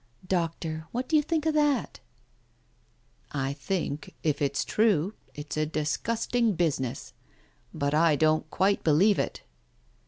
Doctor, what do you think of that ?"" I think, if it's true, it's a disgusting business. But I don't quite believe it."